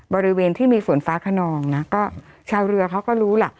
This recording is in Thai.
บริเวณที่มีฝนฟ้าขนองนะก็ชาวเรือเขาก็รู้ล่ะ